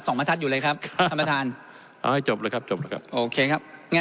ประทัดอยู่เลยครับท่านประธานเอาให้จบเลยครับจบแล้วครับโอเคครับงั้น